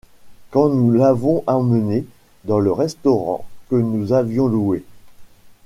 Quand nous l'avons emmenée dans le restaurant que nous avions loué.